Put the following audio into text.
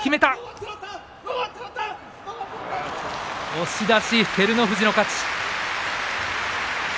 押し出し、照ノ富士の勝ち。